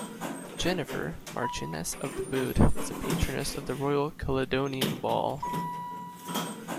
Jennifer, Marchioness of Bute, is a Patroness of the Royal Caledonian Ball.